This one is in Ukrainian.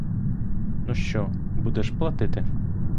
— Ну що, будеш платити?